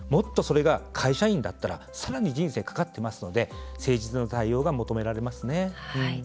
それがもっと会社員だったらさらに人生かかってますので誠実な対応が求められますね。